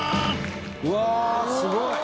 うわすごい！